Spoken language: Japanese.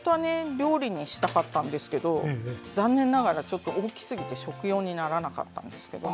料理にしたかったんですけど残念ながらちょっと大きすぎて食用にならなかったんですけどね。